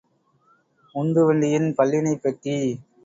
உந்துவண்டியின் பல்லிணைப் பெட்டி.